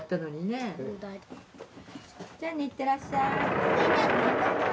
じゃあねいってらっしゃい。